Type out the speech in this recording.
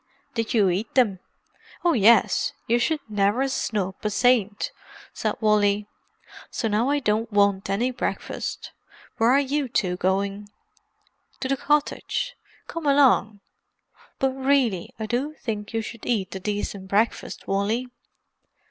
"Did you eat them?" "Oh, yes—you should never snub a saint!" said Wally. "So now I don't want any breakfast. Where are you two going?" "To the cottage. Come along—but really, I do think you should eat a decent breakfast, Wally."